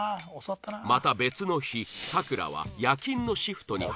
また別の日サクラは夜勤のシフトに入っていた